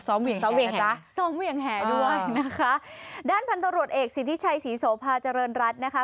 ซ้อมเวียงแห่เลยจ้ะซ้อมเวียงแห่ด้วยนะคะด้านพันตรวจเอกสิริชัยศรีโศภาเจริญรัฐนะคะ